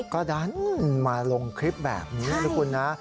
ก็ดันมาลงคลิปแบบนี้นะคุณนะ